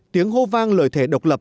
tiếng hô vang lời thề độc lập